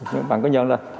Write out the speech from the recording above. nếu bạn có thể